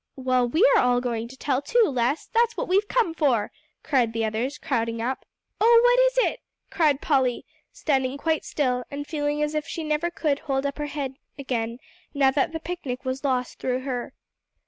"Well, we are all going to tell too, Les; that's what we've come for," cried the others, crowding up. "Oh, what is it?" cried Polly, standing quite still, and feeling as if she never could hold up her head again now that the picnic was lost through her.